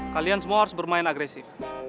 kalian semua harus bermain agresif